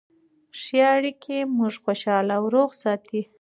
ښه اړیکې موږ خوشحاله او روغ ساتي.